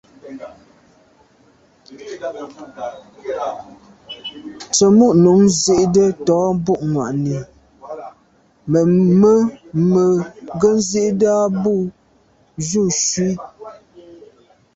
Tsə̀mô' nǔm zí'də́ tɔ̌ bû'ŋwànì mə̀ mə̀ ŋgə́ zí'də́ á bû jû tswì.